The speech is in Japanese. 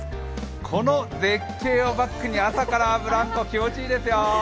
この絶景をバックに朝からブランコ気持ちいいですよ。